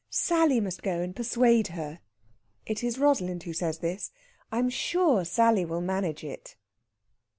"Sally must go and persuade her." It is Rosalind who says this. "I'm sure Sally will manage it."